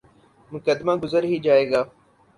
مقدمہ گزر ہی جائے گا۔